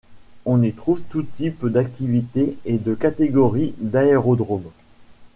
On y trouve tous types d'activité et de catégories d'aérodromes.